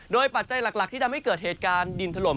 โดยปัจจัยหลักที่ทำให้เกิดเหตุการณ์ดินถล่ม